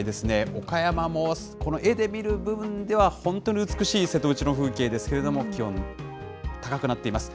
岡山も、この絵で見る分では、本当に美しい瀬戸内の風景ですけれども、気温高くなっています。